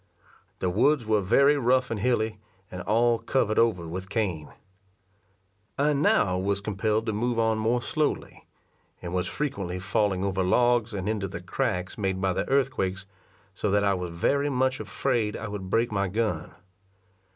The woods were very rough and hilly, and all covered over with cane. I now was compel'd to move on more slowly; and was frequently falling over logs, and into the cracks made by the earthquakes, so that I was very much afraid I would break my gun.